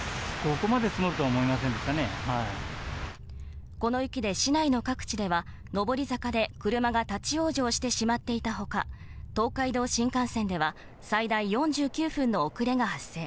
この雪で、市内の各地では上り坂で車が立往生してしまっていたほか、東海道新幹線では最大４９分の遅れが発生。